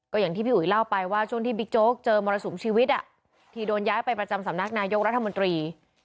อย่างที่พี่อุ๋ยเล่าไปว่าช่วงที่บิ๊กโจ๊กเจอมรสุมชีวิตที่โดนย้ายไปประจำสำนักนายกรัฐมนตรี